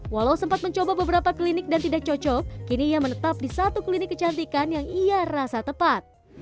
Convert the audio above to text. walau sempat mencoba beberapa klinik dan tidak cocok kini ia menetap di satu klinik kecantikan yang ia rasa tepat